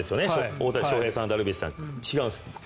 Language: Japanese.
大谷翔平さん、ダルビッシュさん違うんです。